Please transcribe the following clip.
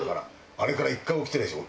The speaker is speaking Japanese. あれから１回も起きてないでしょ